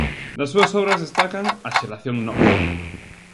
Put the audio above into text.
Das súas obras destacan "A Xeración Nós".